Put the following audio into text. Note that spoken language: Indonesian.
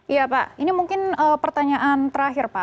iya pak ini mungkin pertanyaan terakhir pak